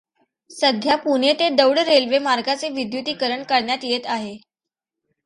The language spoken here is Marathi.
सद्या पुणे ते दौंड रेल्वे मार्गाचे विद्युतीकरण करण्यात येत आहे.